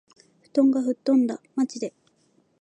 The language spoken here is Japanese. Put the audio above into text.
布団が吹っ飛んだ。（まじで）